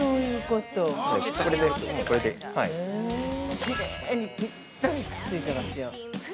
◆きれいにぴったりくっついていますよ。